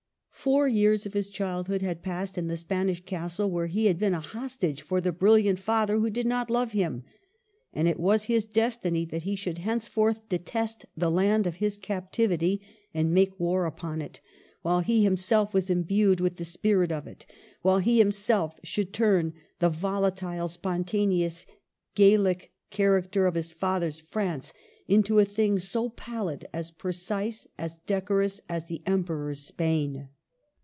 Four years of his childhood had passed in the Spanish castle where he had been a hostage for the brilliant father who did not love him ; and it was his destiny that he should henceforth detest the land of his captivity and make war upon it, while he himself was imbued with the spirit of it, while he himself should turn the volatile, spon taneous Gallic character of his father's France into a thing as pallid, as precise, as decorous, as the Emperor's Spain.